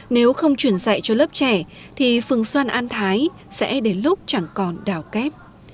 nếu không chuyển dạy cho lớp trẻ thì phường xoan an thái sẽ đến lúc chẳng còn đảo kép